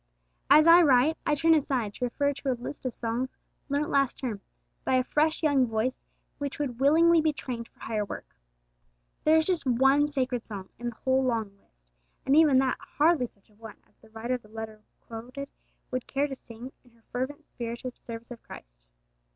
As I write, I turn aside to refer to a list of songs learnt last term by a fresh young voice which would willingly be trained for higher work. There is just one 'sacred' song in the whole long list, and even that hardly such a one as the writer of the letter above quoted would care to sing in her fervent spirited service of Christ.